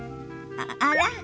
あら？